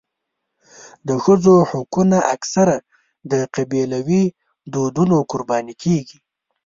د ښځو حقونه اکثره د قبیلوي دودونو قرباني کېږي.